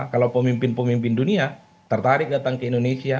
kalau pemimpin pemimpin dunia tertarik datang ke indonesia